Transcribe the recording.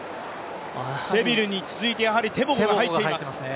セビルに続いて、テボゴが入っています。